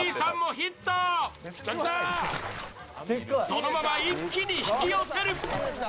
そのまま一気に引き寄せる。